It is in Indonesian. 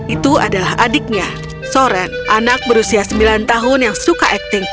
itu adalah adiknya soren anak berusia sembilan tahun yang suka acting